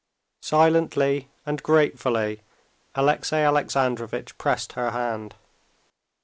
Silently and gratefully Alexey Alexandrovitch pressed her hand.